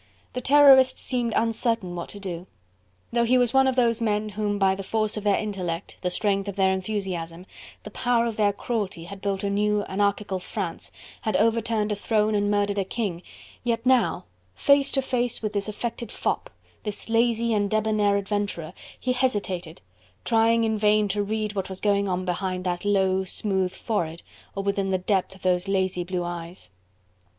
The Terrorist seemed uncertain what to do. Though he was one of those men whom by the force of their intellect, the strength of their enthusiasm, the power of their cruelty, had built a new anarchical France, had overturned a throne and murdered a king, yet now, face to face with this affected fop, this lazy and debonnair adventurer, he hesitated trying in vain to read what was going on behind that low, smooth forehead or within the depth of those lazy, blue eyes.